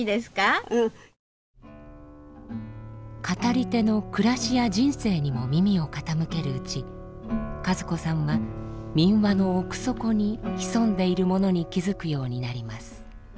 語り手の暮らしや人生にも耳を傾けるうち和子さんは民話の奥底に潜んでいるものに気付くようになります。